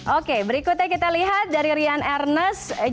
oke berikutnya kita lihat dari rian ernest